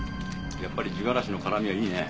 やっぱり地がらしの辛みはいいね。